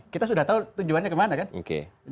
kita sudah tahu tujuannya kemana kan